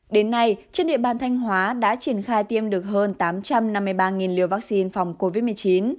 đến nay trên địa bàn thanh hóa đã triển khai tiêm được hơn tám trăm năm mươi ba liều vaccine phòng covid một mươi chín